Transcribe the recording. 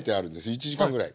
１時間ぐらい。